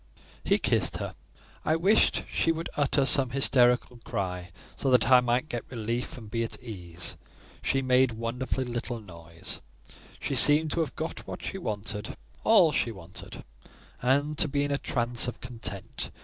He kissed her. I wished she would utter some hysterical cry, so that I might get relief and be at ease. She made wonderfully little noise: she seemed to have got what she wanted—all she wanted, and to be in a trance of content.